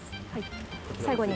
最後に。